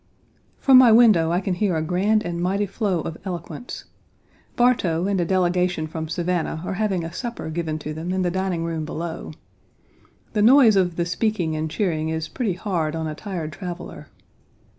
From my window I can hear a grand and mighty flow of eloquence. Bartow and a delegation from Savannah are having a supper given to them in the dining room below. The noise of the speaking and cheering is pretty hard on a tired traveler.